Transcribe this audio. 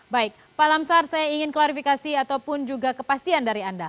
baik pak lamsar saya ingin klarifikasi ataupun juga kepastian dari anda